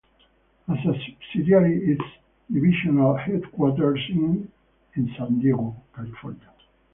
As a subsidiary, its divisional headquarters is in San Diego, California.